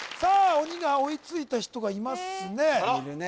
鬼が追いついた人がいますねいるね